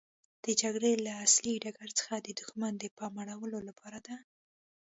د جګړې له اصلي ډګر څخه د دښمن د پام اړولو لپاره ده.